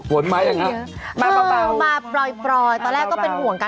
หวนไหมอย่างเงี้ยมาเบาเบามาปล่อยปล่อยตอนแรกก็เป็นห่วงกัน